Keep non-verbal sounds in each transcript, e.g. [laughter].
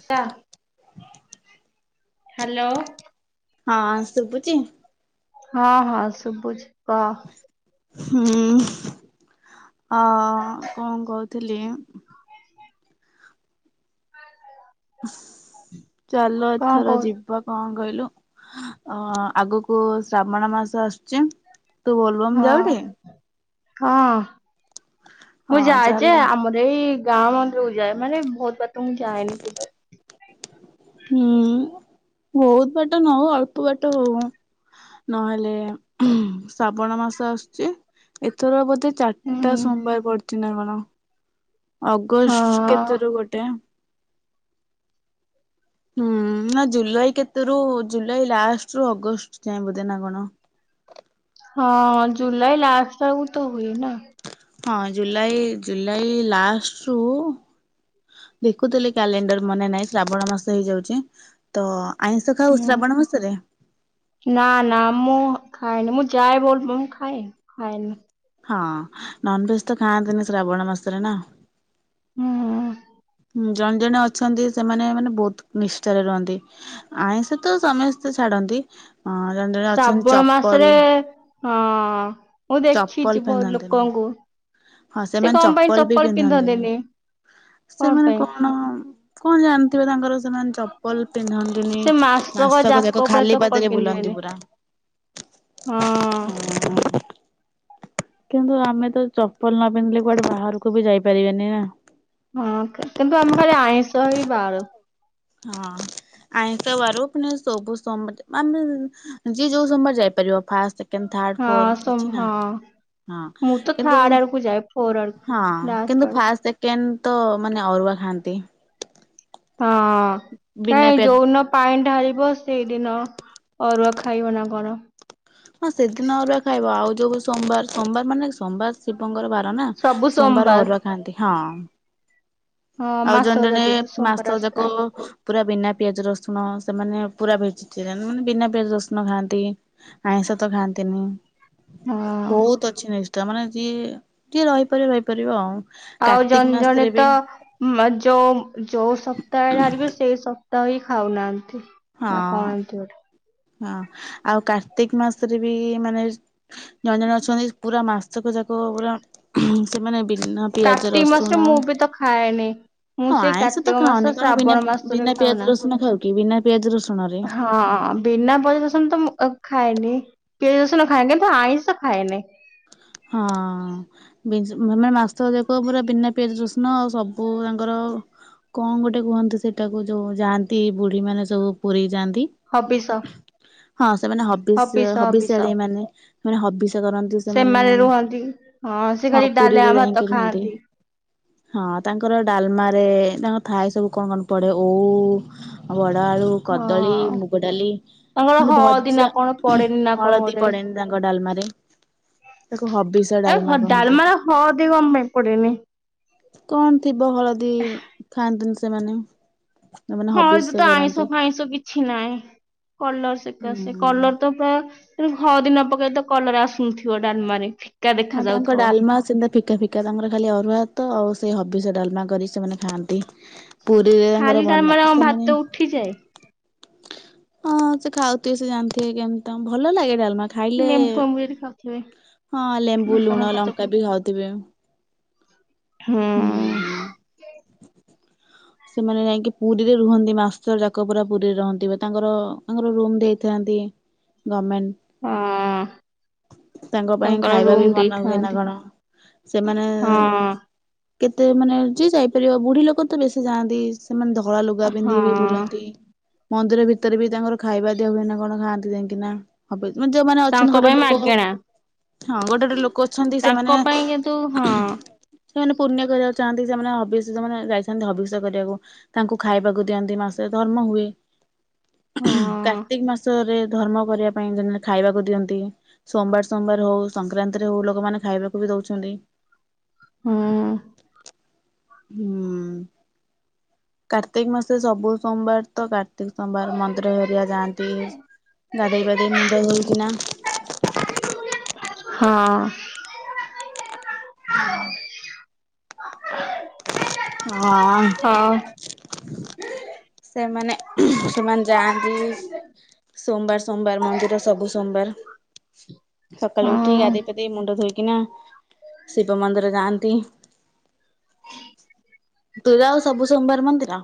[unintelligible] Hello. ହଁ ଶୁଭୁଛି? ହଁ ହଁ ଶୁଭୁଛି କହ। ହୁଁ ଅ କଁ କହୁଥିଲି ଚାଲ କଣ ଏଥର କହୁ ଯିବା କଁ କହିଲୁ ଅ ଆଗୁକୁ ଶ୍ରାବଣ ମାସ ଆସୁଚି ତୁ ବୋଲବମ ହଁ ଯାଉଟି? ହଁ। ମୁଁ ହଁ ଯାଏ ଯେ ଚାଲ ଆମର ଏଇ ଗାଁ ମନ୍ଦିରକୁ ଯାଏ ମାନେ ବହୁତ ମୁଁ ଯାଏନି କିବା ହୁଁ ବହୁତ ବାଟ ନଉ ଅଳ୍ପ ବାଟ ହୋଉ ମ ନହେଲେ ଶ୍ରାବଣ ମାସ ଆସୁଛି ଏଥର ବୋଧେ ଚାର୍ ଟା ହୁଁ ସୋମବାର ପଡୁଚି ନା କଣ? ହଁ। ଅଗଷ୍ଟ୍ ହଁ କେତେରୁ ଗୋଟେ ହୁଁ ନା ଜୁଲାଇ କେତେରୁ ଜୁଲାଇ ଲାଷ୍ଟରୁୁ ଅଗଷ୍ଟ ଯାଏ ବୋଧେ ନା କଣ। ହଁ ଜୁଲାଇ ଲାଷ୍ଟ ଆଡୁକୁ ତ ହୁଏ ନା। ହଁ ଜୁଲାଇ ଜୁଲାଇ ଲାଷ୍ଟରୁ ଦେଖୁଥିଲି କ୍ୟାଲେଣ୍ଡର ମନେ ନାହିଁ ଶ୍ରାବଣ ମାସ ହେଇଯାଉଛି ତ ଆଇଁଷ ଖାଉ ହୁଁ ଶ୍ରାବଣ ମାସରେ ନା ନା ମୁଁ ଖାଏନି ମୁଁ ଯାଏ ବୋଲବମ୍ ଖାଏନି ଖାଏନି। ହଁ ନନ୍ଭେଜ ତ ଖାଆନ୍ତିନି ଶ୍ରାବଣ ମାସରେ ନା। ହୁଁ। ଜଣେ ଜଣେ ଅଛନ୍ତି ସେମାନେ ମାନେ ବୋହୁତ୍ ନିଷ୍ଠାରେ ରୁହନ୍ତି ଆଇଁଷ ତ ସମେସ୍ତେ ଛାଡନ୍ତି ହଁ ଜଣେ ଜଣେ ଅଛନ୍ତି ଶ୍ରାବଣ ଚପଲ ମାସରେ ହଁ ମୁଁ ଚପଲ ଦେଖିଛି ବହୁ ପିନ୍ଧନ୍ତିନି ଲୋକଙ୍କୁ ହଁ ସେ ସେମାନେ କଣ ପାଇଁ ବି ଚପଲ ପିନ୍ଧନ୍ତିନି। ସେମାନେ କଣ କଣ ଜାଣିଥିବେ ତାଙ୍କର ସେମାନେ ଚପଲ୍ ପିନ୍ଧନ୍ତିନି ସେ ମାସକ ଯାକ ପୁରା ଖାଲି ଚପଲ ପାଦରେ ପିନ୍ଧିବେନି ବୁଲନ୍ତି ପୁରା। ହଁ। [inaudible] କିନ୍ତୁ ଆମେ ତ ଚପଲ୍ ନ ପିନ୍ଧିଲେ କୁଆଡେ ବାହାରୁକୁ ବି ଯାଇପାରିବାନି ନା। ହଁ କି କିନ୍ତୁ ଆମେ ଖାଲି ଆଇଁଷ ହିଁ ବାରୁ। ହଁ ଆଇଁଷବାରୁ ପୁଣି ସବୁ ସୋମବାର ଆମେ ଯିଏ ଯୋଉ ସୋମବାର ଯାଇପାରିବ ଫାଷ୍ଟ୍ ସକେଣ୍ଡ୍ ଥାର୍ଡ ଫୋର ହଁ ସୋ ଅଛି ନା ହଁ। ହଁ ମୁଁ ତ କିନ୍ତୁ ଥାର୍ଡ ଆଡକୁ ଯାଏ ଫୋର ଆଡକୁ ହଁ ଲାଷ୍ଟ କିନ୍ତୁ ଆଡକୁ ଫାଷ୍ଟ ସେକେଣ୍ଡ ତ ମାନେ ଅରୁଆ ଖାଆନ୍ତି। ହଁ ବିନା କାଇଁ ପିଆଜ ଯୋଉନ ପାଇଁ ଢାଳିବ ସେଇଦିନ ଅରୁଆ ଖାଇବ ନା କଣ। ହଁ ସେଦିନ ଅରୁଆ ଖାଇବ ଆଉ ଯୋଉ ସୋମବାର୍ ସୋମବାର୍ ମାନେ ସୋମବାର ଶିବଙ୍କର ବା ର ନା ସୋମବାର ଅରୁଆ ଖାଆନ୍ତି ହଁ। ହଁ ଆଉ ଜଣେ ମାସକ ଜଣେ ଯାତ୍ରା ସୋମବାର ମାସ ଯାକ ଆସିଥାଏ ପୁରା ବିନା ପିଆଜ ରସୁଣ ସେମାନେ ପୁରା ଭେଯି ସେମାନେ ମାନେ ବିନା ପିଆଜ ରସୁଣ ଖାଆନ୍ତି ଆଇଁଷ ତ ଖାଆନ୍ତିନି ହଁ ବହୁତ ଅଛି ନା ତ ମାନେ ଯିଏ ଯିଏ ରହିପାରିବ ରହିପାରିବ ଆଉ। ଆଉ କାର୍ତ୍ତିକ ଜଣେ ଜଣେ ମାସରେ ବି ତ ମା ଯୋଉ ଯୋଉ ସପ୍ତାହ ହାରିବେ ସେଇ ସପ୍ ଭାତ ହି ଖାଉନାହାନ୍ତି। ହଁ ନା କଣ ଏମିତି ଗୋଟେ। ହଁ ଆଉ କାର୍ତ୍ତିକ ମାସରେ ବି ମାନେ ଜଣେ ଜଣେ ଅଛନ୍ତି ପୁରା ମାସକ ଯାକ ପୁରା ସେମାନେ ବି କାର୍ତ୍ତିକ ମାସରେ ମୁଁ ବି ତ ଖାଏନି। ମୁଁ ହଁ ସେଇ ଆଇଁଷ ତ କାର୍ତ୍ତିକ ଖାଉନି ମାସ କାରଣ ବିନା ଶ୍ରାବଣ ମାସରେ ବିନା ପିଆଜ ଖାଉନା। ରସୁଣ ଖାଉ କି ବିନା ପିଆଜ ରସୁ ହଁ ବିନା ପିଆଜ ରସୁଣ ତ ମୁଁ ଓ ଖାଏନି କେ ପିଆଜ ରସୁଣ ଖାଏ କିନ୍ତୁ ଆଇଁଷ ଖାଏନି। ହଁ ବିନ ମାନେ ମାସକ ଯାକ ପୁରା ବିନା ପିଆଜ ରସୁଣ। ସବୁ ତାଙ୍କର କଣ ଗୋଟେ କୁହନ୍ତି ସେଇଟାକୁ ଯୋଉ ଯାଆନ୍ତି ବୁଢୀ ମାନେ ସବୁ ପୁରି ଯାଆନ୍ତି ହବିଷ ହଁ ସେମାନେ ହବିଷ ହବିଶିଆଳି ମାନେ ମାନେ ହବିସ କରନ୍ତି ସେମାନେ ରୁହନ୍ତି ହଁ ସେ ଖାଲି ପୁରୀରେ ଡାଲେମା ଯାଇକି ଭାତ ରୁହନ୍ତି। ଖାଆନ୍ତି। ହଁ ତାଙ୍କର ଡାଲମାରେ ତାଙ୍କ ଥାଏ ସବୁ କଣ କଣ ପଡେ ଓଉ ବ ଆଳୁ, କଦଳୀ, ହଁ ମୁଗ ଡାଲି, ତାଙ୍କର ମାନେ ହଳଦୀ ନା ଭଜା କଣ ପଡେନି ନା ହଳଦୀ ପଡେନି ତାଙ୍କ ଡାଲମାରେ। ତାକୁ ହବିଷ ହେ ଡାଲମା ହ କହନ୍ତି। ଡାଲମାାର ହଳଦୀ କଣ ପାଇଁ ପଡେନି। କଅ ନ୍ତ ଶିବ ହଳଦି ଖାନ୍ତିନି। ସେମାନେ ଯୋଉମାନେ ହଁ ହବିଷ ସେ ହଳଦୀ କରନ୍ତି। ଆଇଁଷ ଫାଇଁଶ କିଛି ନାହିଁ। କଲର ସେକା ହୁଁ। ସେ କଲର ତ ପା ତେଣୁ ହଳଦୀ ନ ପକେଇଲେ ତ କଲର ଆସୁନଥିବ ଡାଲମାରେ। ଦେଖା ହଁ ତାଙ୍କ ଯାଉଥିବ ଡାଲମା ସେନ୍ତା ଫିକା ଫିକା। ତାଙ୍କର ଖାଲି ଅରୁଆ ହାତ ଆଉ ସେଇ ହବିଷ ଡାଲମା କରି ସେମାନେ ଖାଆନ୍ତି। ପୁରୀରେ ତାଙ୍କର ଖାଲି ବନ ଡାଲମାରେ ତାଙ୍କର ସେମାନେ ଭାତ ଉଠିଯାଏ। ହଁ ସେ ଖାଉଥିବେ ସେ ଜାଣିଥିବେ କେମତି ଭଲ ଲାଗେ ଡାଲମା ଖାଇଲେ ନେମ୍ବୁ ଫେମ୍ବୁ ଯଦି ଖାଉଥିବେ ହଁ ଲେମ୍ବୁ ଲଙ୍କା ଲୁଣ ଫଙ୍କା ଲଙ୍କା ଚକୁଟି ବି ଖାଉଥିବେ। ହୁଁ। ହଁ। ସେମାନେ ଯାଇକି ପୁରୀରେ ରୁହନ୍ତି ମାଷ୍ଟର ଯାକ ପୁରା ପୁରୀରେ ରହନ୍ତି ବା ତାଙ୍କର ତାଙ୍କର ରୁମ ଦେଇଥାନ୍ତି ଗମେଣ୍ଟ। ହଁ ତାଙ୍କ ପାଇଁ ତାଙ୍କର ଖାଇବା ରୁମ ବି ମନ ହୁଏ ନା ଦେଇଥାନ୍ତି କଣ। ସେମାନେ ହଁ କେତେ ମାନେ ଯ ଯାଇପାରିବ ବୁଢୀ ଲୋକ ତ ବେଶୀ ଯାଆନ୍ତି ସେମାନେ ଧଳା ଲୁଗା ହଁ ପିନ୍ଧି ବି ବୁଲନ୍ତି। ମନ୍ଦିର ଭିତରେ ବି ତାଙ୍କର ଖାଇବା ଦିଆ ହୁଏ ନା କଣ ଖାଆନ୍ତି ଯାଇକି ନା ହ ଯୋଉମାନେ ଅଛନ୍ତି ତାଙ୍କ ଗୋଟେ ପାଇଁ ଲୋକ ହଁ ମାଗେଣା ଗୋଟେ ଗୋଟେ ଲୋକ ଅଛନ୍ତି ତାଙ୍କ ସେମାନେ ପାଇଁ କିନ୍ତୁ ହଁ ସେମାନେ ପୂର୍ଣ୍ଣ କରିବାକୁ ଚାହାନ୍ତି ସେମାନେ ହବିଷମାନେ ଯାଇଥାନ୍ତି ହବି। କରିବାକୁ ତାଙ୍କୁ ଖାଇବାକୁ ଦିଅନ୍ତି ମାସରେ ଧର୍ମ ହୁଏ। ହଁ କାର୍ତ୍ତିକ ମାସରେ। ଧର୍ମ କରିବା ପାଇଁ ଖାଇବାକୁ ଦିଅନ୍ତି ସୋମବାର ସୋମବାର ହଉ ସଂକ୍ରାନ୍ତିରେ ହଉ ଲୋକମାନେ ଖାଇବାକୁ ବି ଦଉଛନ୍ତି। ହଁ ହଁ। କାର୍ତ୍ତିକ ମାସରେ ସବୁ ସୋମବାର ତା। ପ୍ରତକ ସୋମବାର ମନ୍ଦିର ଏରିଆ ଯାଆନ୍ତି ଗାଧେଇବାଧେଇ ମୁଣ୍ଡ ଧୋଇବା ହଁ। ହଁ। ହଁ। ହଁ ସେମାନେ ସେମାନେ ଯାଆନ୍ତି ସୋମବାର ସୋମବାର ମନ୍ଦିର ସବୁ ସୋମବାର। ସକାଳୁ ଉଠି ହଁ ଗାଧିାଧ ମୁଣ୍ଡ ଧୋଇି। ଏ ନା ଶିବ ମନ୍ଦିର ଯାଆନ୍ତି। ତୁୁର ଆଉ ସବୁ ସୋମବାର ମନ୍ଦିର?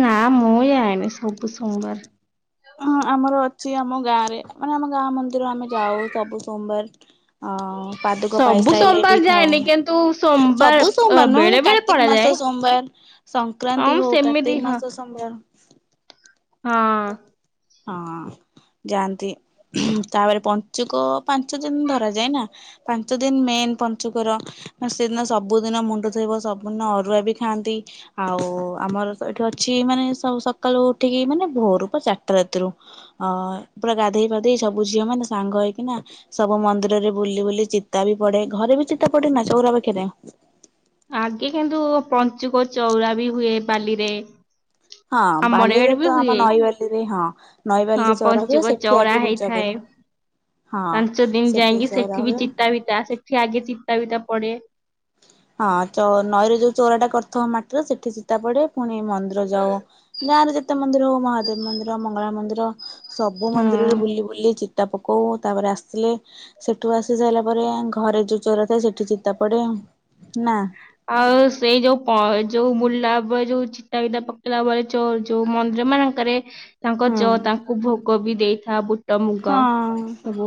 ନା ମୁଁ ଆଇନି ସବୁ ସୋମବାର ହଁ ଆମର ଆମ ଗାଁରେ ମାନେ ଆମ ଗାଁ ମନ୍ଦିର ଆମେ ଯାଉ ସବୁ ସୋମବାର। ହ ପାଦୁକ ସବୁ ପାଇସାରଲେ ସୋମବାର ବି ଖାଉ ଯାଏନି କିନ୍ତୁ ସୋମବାର ସବୁ ଅ ସୋମବାର ବେଳେ ନହେ ବେଳେ କାର୍ତ୍ତିକ ପଳାଯାଏ। ମାସ ସୋମବାର ହଁ ସଂକ୍ରାନ୍ତି ମୁଁ ହଉ ସେମିତି କାର୍ତ୍ତିକ ହଁ ମାସ ସୋମବାର। ହଁ। ହଁ ଯାଆନ୍ତି ତାପରେ ପଞ୍ଚୁକ ପାଞ୍ଚ ଦିନ ଧର ଯାଏ ନା ପାଞ୍ଚ ଦିନ ମେନ୍ ପଞ୍ଚୁକର ସେଦିନ ସବୁଦିନ ମୁଣ୍ଡ ଧଥୋଇବ ସବୁଦିନ ଅରୁଆ ବି ଖାଆନ୍ତି ଆଉ ଆମର ଏଇଠି ଅଛି ମାନେ ସକାଳୁ ଉଠିକି ମାନେ ଭୋରୁ ପ ଚାରିଟା ରାତିରୁ ଅ ପୁରା ଗାଧେଇ ଫାଧେଇ ସବୁ ଝିଅ ମାନେ ସାଙ୍ଗ ହେଇକିନା ସବୁ ମନ୍ଦିରରେ ବୁଲି ବୁଲି ଚିତା ବି ପଡେ ଘରେ ବି ଚିତା ପଡେ ନା ଚଉରା ପାଖରେ ଆଗେ କିନ୍ତୁ ପଞ୍ଚୁକ ଚଉରା ବି ହୁଏ ବାଲିରେ। ହଁ ଆମର ବାଲିରେ ଇଆଡେ ବି ତ ଆମ ହୁଏ ନଈବାଲିରେ ହଁ ହଁ ନଈବାଲିରେ ଚଉରା ହୁଏ ପଞ୍ଚୁକ ସେଠି ଚଉରା ଆଗେ ପୂଜା ହେଇଥାଏ। କରୁ ହଁ ପାଞ୍ଚ ଦିନ ସେଠି ଯାଇକି ଚଉରା ହୁଏ। କବତା ପଢେ। ହଁ ନଈରେ ଯୋଉ ଚଉରା ଟା କରିଥ ମାଟିର ସେଠି ସୀତା ପଡେ। ପୁଣି ମନ୍ଦିର ଯାଉ ଗାଁରେ ଯେତେ ମନ୍ଦିର ହଉ ମହାଦେବ ମନ୍ଦିର ମଙ୍ଗଳା ମନ୍ଦିର। ହଁ। ସବୁ ହଁ। ମନ୍ଦିରରେ ବୁଲି ବୁଲି ଚିତା ପକଉ ତାପରେ ଆସିଲେ ସେଠୁ ଆସି ସାରିଲା ପରେ ଘରେ ଯୋଉ ଚୋରା ଥାଏ ସେଠି ଚିତା ପଡେ ନା ଆଉ ସେଇ ଯୋଉ ଯୋଉ ବୁଲା ଯୋଉ ଚିତା ବିତାା ପକେଇଲା ପରେ ଯୋଉ ମନ୍ଦିର ମାନଙ୍କରେ ତାଙ୍କ ହୁଁ ଚ ତାଙ୍କୁ ଭୋଗ ବି ଦେଇଥା ବୁ ହଁ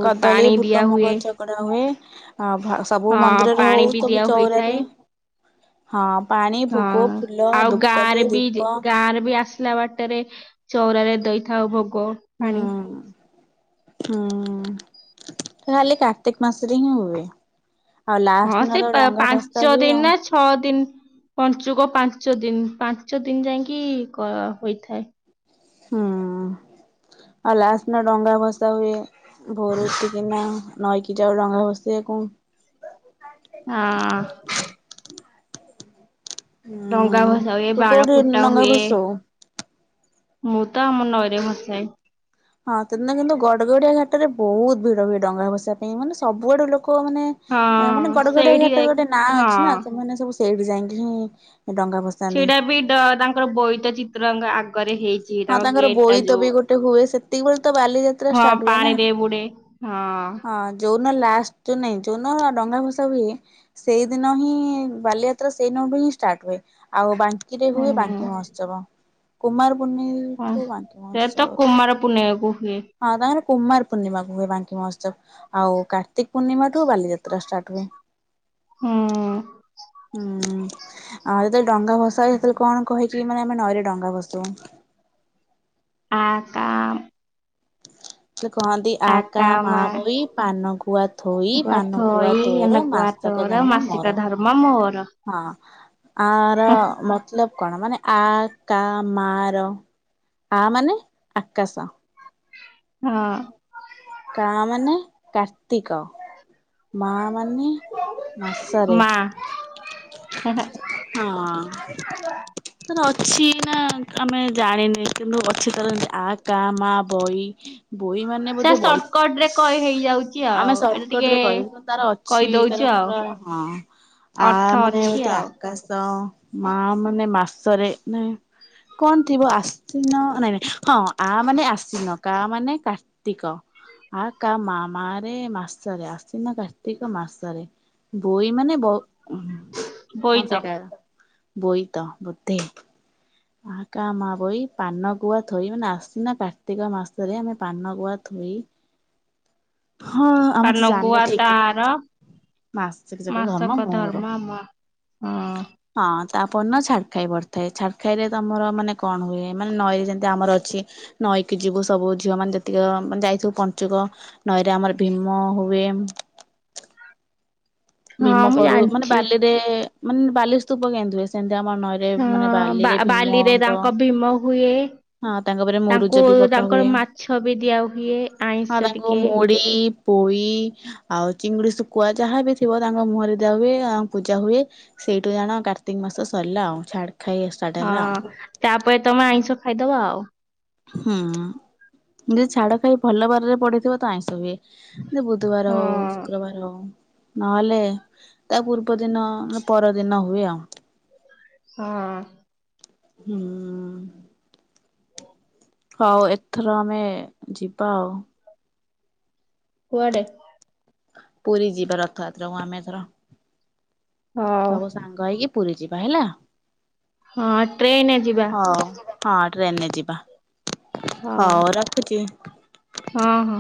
କଦଳୀ ଦିଆ ବୁଟ ହୁଏ ମଗ ଗଡା ହୁଏ ଆଁ ସବୁ ହଁ ମନ୍ଦିରରେ ହଉ ପାଣି ବି ସବୁ ଦିଆ ହୋଇଥାଏ ଚଉରାରେ ହଁ। ପାଣି, ଭୋଗ, ହଁ ଫୁଲ, ଆଉ ଗାଁ ଧୂପକାଠି, ରେ ବି ଦୀପ ଗାଁ ର ବି ଆସିଲା ବାଟରେ। ଚଉରାରେ ଦେଇଥାଉ ଭୋଗ କୋ ହୁଁ ପାଣି। ହୁଁ ତାଲେ କାର୍ତିକ ମାସରେ ହିଁ ହୁଏ। ଆଉ ଲାଷ୍ଟ ହଁ ଦିନ ତ ସେଇ ଡଙ୍ଗା ଭସା ପାଞ୍ଚ ହୁଏ ଦିନ ଆଉ ନା ଛଅ ଦିନ ପଞ୍ଚୁକ ପାଞ୍ଚ ଦିନ। ପାଞ୍ଚ ଦିନ ଯାଇକି କହୋଇଥାଏ। ହୁଁ ଆଉ ଲାଷ୍ଟ ନା ଡଙ୍ଗା ଭସା ହୁଏ। ଭୋରଠିକିନା ନଈକି ଜାଉ ଡଙ୍ଗା ଭସାଇବା କୁ। ହଁ। ଡଙ୍ଗା ହୁଁ ଭସା ହୁଏ ତୁ ବାଣ କୋଉଠି ଫୁଟା ଡଙ୍ଗା ହୁଏ। ଭସଉ? ମୁଁ ତ ଆମ ନଈରେ ହସଏ। ହଁ ସେଦି କିନ୍ତୁ ଗଡଗଡିଆ ଘାଟ ରେ ବହୁତ ଭିଡ ହୁଏ ଡଙ୍ଗାଭସିବା ପାଇଁ ମାନେ ସବୁଆଡୁ ଲୋକ ଲୋକ ହଁ ମାନେ ମାନେ ଗଡଘଡିଆ ସେଇଠି ଘାଟ ଯାଇ ଗୋଟେ ନାଁ ଅଛି ନା ହଁ ସେମାନେ ସବୁ ସେଇଠି ଯାଇକି ଡଙ୍ଗା ଭସାନ୍ତି। ସେଇଟା ବି ତାଙ୍କର ବୋଇତ ଚିତ୍ର ରଙ୍ଗ ଆ ହଁ ତାଙ୍କର ବୋଇ ତ ବି ଗୋଟେ ହୁଏ ସେତିକି ବେଳେ ତ ବାଲିଯାତ୍ରା ହଁ ଷ୍ଟାର୍ଟ ହୁଏ ନା ପାଣିରେ ବୁଡେ ହଁ ହଁ ଯୋଉ ଲାଷ୍ଟ ଯୋଉ ନାହିଁ ଯୋଉ ଦିନ ଡଙ୍ଗା ଭସା ହୁଏ ସେଇଦିନ ହିଁ ବାଲିଯାତ୍ରା ସେଇ ଦିନଠୁ ହିଁ ଷ୍ଟାର୍ଟ ହୁଏ ଆଉ ଆଉ ବା ରାତିରେ ହୁଏ ହୁଁ ବାଙ୍କି ମହୋତ୍ସବ। କୁମାର ହଁ ପୂର୍ଣ୍ଣେଇଠୁ ବାଙ୍କି ସେ ତ ମହୋତ୍ସବ। କୁମାର ପୂର୍ଣ୍ଣିମାକୁ ହୁଏ ହଁ ତା କୁମାର ପୂର୍ଣ୍ଣିମାକୁ ହୁଏ ବାଙ୍କି ମହୋତ୍ସବ ଆଉ କାର୍ତ୍ତିକ ପୂର୍ଣ୍ଣିମା ଠୁ ବାଲିଯାତ୍ରା ଷ୍ଟାର୍ଟ ହୁଏ। ହୁଁ ହୁଁ। ଆଉ ଯେତେବେଳେ ଡଙ୍ଗାଭସା ହୁଏ ସେତେବେଳେ କଣ କହିକି ମାନେ ଆମେ ନଈରେ ଡଙ୍ଗା ଭସୋଉ? ଆ କା କି କହନ୍ତି ଆ କା ମା ବଇ ପାନ ଗୁ ଗୁଆ ଥୋଇ ପାନ ଗୁଆ ଥୋଇ ତୋର ଏନା ଗୁଆ ମାସକ ତୋର ଧର୍ମ ମାସିକ ମୋର ଧର୍ମ ମୋର ହଁ ଆର ମତଲବ କଣ? ମାନେ? ଆ କା ମାର ଆ ମାନେ ଆକାଶ। ହଁ। କା ମାନେ କାର୍ତ୍ତିକ। ମା ମାନେ ମାସରେ। ମା ହଁ [unintelligible] ସିଏ ନା ଆମେ ଜାଣିନି କିନ୍ତୁ ଅଛି ତାର ଆ କା ମା ବଇ ବୋଇ ମାନେ ସେ ବୋଧେ ବଇ ସର୍ଟକଟ ରେ କହି ହେଇଯାଉଛି ଆମେ ଆଉ ଏଇଟା ସର୍ଟକଟ୍ ଟିକେ ରେ କଇଲୁ କିନ୍ତୁ ତାର ଅଛି ତାର କହିଦଉଛୁ ଆଉ ପୁରା ହଁ ଆ ଅର୍ଥ ମାନେ ଅଛି ବୋଧେ ଆ ଆଉ କାଶ ମା ମାନେ ମାସ୍ ସରେ ନାଇଁ କଣ ଥିବ ଆଶିନ ନାଇଁ ନାଇଁ ହଁ ଆ ମାନେ ଆଶ୍ଵିନ କା ମାନେ କାର୍ତ୍ତିକ। ଆ କା ମା ମାରେ ମାସରେ ଆଶ୍ଵିନ କାର୍ତ୍ତିକ ମାସରେ ବୋଇ ମାନେ ବୋ କଣ ବୋଇତ ସେଇଟା। ବୋଇତ ବୋଧେ। ଆ କା ମା ବୋଇ ପାନ ଗୁଆ ଥୋଇ ମାନେ ଆଶ୍ଵିନ କାର୍ତ୍ତିକ ମାସରେ ଆମେ ପାନ ଗୁଆ ଥୋଇ ହଁ ଆମେ ତ ପାନ ଜାଣିନେ ଗୁଆ ଠିକ୍ ରେ। ତାର ମାସେକ ଯାକ ଧର୍ମ ମାସକ ମୋର। ଆମ ହଁ ହଁ ତା ପର୍ ଦିନ ଛାଡ଼୍ ଖାଇ ପଡ଼ିଥାଏ। ଛାଡ଼୍ ଖାଇରେ ତମର ମାନେ କଣ ହୁଏ। ମାନେ ନଈରେ ଯେମିତି ଆମର ଅଛି ନଈକି ଯିବୁ ସବୁ ଝିଅମାନେ ଯେତିକ ମାନେ ଯାଇଥିବୁ ପଞ୍ଚୁକ ନଈରେ ଆମର ଭୀମ ହୁଏ। ହଁ ଭୀମ ମୁଁ କରୁ ମାନେ ଜାଣିଛି ବାଲିରେ ମାନେ ବାଲି ସ୍ତୁପ କେନ୍ତି ହୁଏ ସେମ୍ ହଁ ବା ବାଲିରେ ତାଙ୍କ ଭୀମ ହୁଏ। ହଁ ତାଙ୍କ ଉପରେ ମୁରୁଜ ତାଙ୍କୁ ବି ପକା ହୁଏ ତାଙ୍କର ମାଛ ବି ଦିଆ ହୁୁଏ ହଁ ଆଇଁଷ ତାଙ୍କୁ ଟିକେ। ମୁଢି ପୋଇ ଆଉ ଚିଙ୍ଗୁଡ଼ି ଶୁକୁଆ ଯାହାବି ଯା ଥିବ ତାଙ୍କ ମୁହଁରେ ଦିଆ ହୁଏ ଆ ପୂଜା ହୁଏ। ସେଇଠୁ ଜାଣ କାର୍ତ୍ତିକ୍ ମାସ ସରିଲା ଆଉ। ଛାଡ଼୍ ହଁ ତା ପରେ ତମେ ଆଇଁଷ ଖ୍ ଖାଇଦବ ଆଉ। ହୁଁ ଯଦି ଛାଡ଼ ଖାଇ ଭଲ ବାରରେ ପଡ଼ିଥିବ ତ ଆଇଁଷ ହୁଏ। ସେ ବୁଧୁବାର ହୋଉ ହଁ ଶୁକ୍ରବାର ହୋଉ। ନଏଲେ ତା ପୂର୍ବ ଦିନ ନା ପର ଦିନ ହୁଏ ଆଉ। ହଁ। ହୁଁ। ହଉ ଏଥର ଆମେ ଯିବା ଆଉ। କୁଆଡ଼େ? ପୁରୀ ଯିବା ରଥଆତ୍ରାକୁ ଆମେ ଏଥର। ହଉ। ସବୁ ସାଙ୍ଗ ହେଇକି ପ୍ ପୁରୀ ଯିବା ହେଲା। ହଁ ଟ୍ରେନ୍ ରେ ଯିବା। ହଉ ହଁ ଟ୍ରେନ୍ ରେ ଯିବା। ହଉ ରଖୁଚି। ହଁ ହଁ